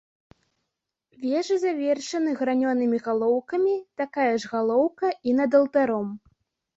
Вежы завершаны гранёнымі галоўкамі, такая ж галоўка і над алтаром.